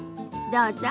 どうぞ。